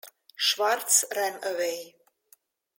Schwartz ran away.